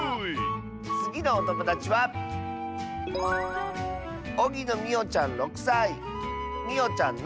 つぎのおともだちはみおちゃんの。